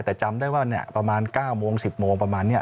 แต่จำได้ว่าประมาณ๙โมง๑๐โมงประมาณนี้